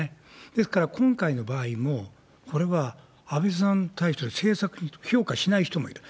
ですから、今回の場合も、これは安倍さんに対して政策評価しない人もいる。